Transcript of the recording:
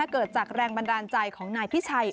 เกิดจากแรงบันดาลใจของนายพิชัย